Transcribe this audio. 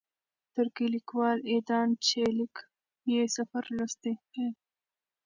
ترکی لیکوال ایدان چیلیک یې سفر لوستلی.